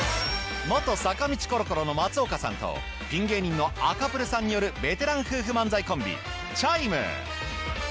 元坂道コロコロの松丘さんとピン芸人の赤プルさんによるベテラン夫婦漫才コンビチャイム。